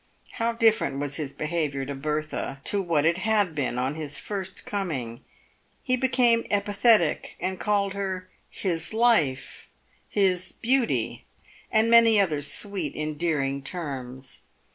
How different was his behaviour to Bertha to what it had been on his first coming. He became epithetic and called her " his life," his "beauty," and many other sweet endearing terms.